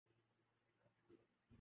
Filipino